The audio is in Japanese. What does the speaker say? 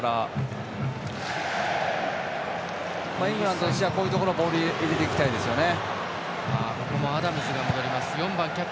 イングランドとしてはこういうところでボールを入れていきたいですよね。